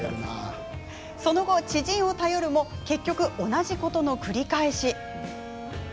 その後、知人を頼るも結局、同じことの繰り返し。